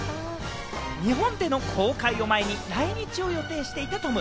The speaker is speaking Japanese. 日本での公開を前に来日を予定していたトム。